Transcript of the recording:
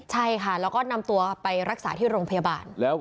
ใช่ค่ะแล้วก็นำตัวไปรักษาที่โรงพยาบาล